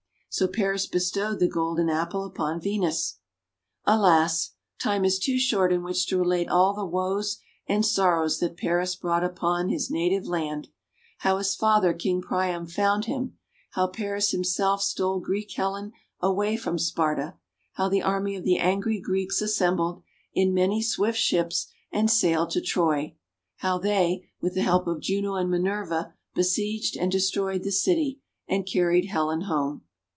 So Paris bestowed the Golden Apple upon Venus. Alas! time is too short in which to relate all the woes and sorrows that Paris brought upon his native land; how his father King Priam found him; how Paris himself stole Greek Helen away from Sparta; how the army of the angry Greeks assembled, in many swift ships, and sailed to Troy; how they, with the help of Juno and Minerva, besieged and destroyed the city, and carried Helen home.